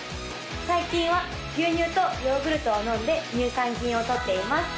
最近は牛乳とヨーグルトと飲んで乳酸菌をとっています